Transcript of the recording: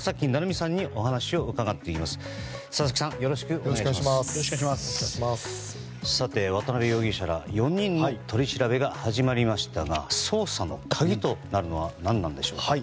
さて、渡邉容疑者ら４人の取り調べが始まりましたが捜査の鍵となるのは何なんでしょうか。